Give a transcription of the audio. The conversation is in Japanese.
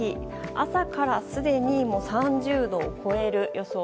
朝からすでに３０度を超える予想。